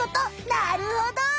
なるほど。